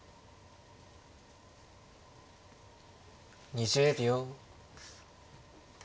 ２０秒。